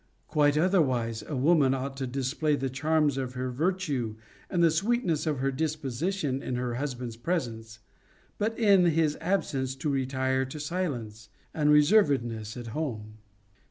Quite otherwise, a woman ought to display the charms of her virtue and the sweetness of her disposition in her husband's presence, but in his absence to retire to silence and reservedness at home.